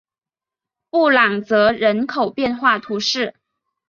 布朗泽人口变化图示